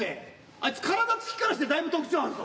あいつ体つきからしてだいぶ特徴あるぞ。